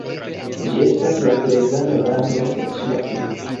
Ĝi estas la plej granda rano en Suda Afriko.